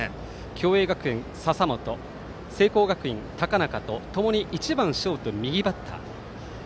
共栄学園、笹本聖光学院、高中とともに１番ショート右バッター。